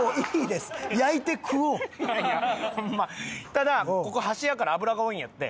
ただここ端やから脂が多いんやって。